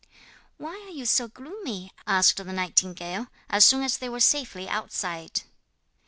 'Why are you so gloomy?' asked the nightingale, as soon as they were safely outside.